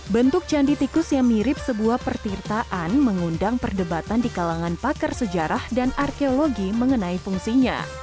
bentuk candi tikus yang mirip sebuah pertirtaan mengundang perdebatan di kalangan pakar sejarah dan arkeologi mengenai fungsinya